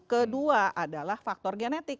kedua adalah faktor genetik